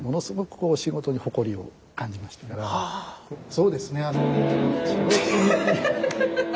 そうですねあの。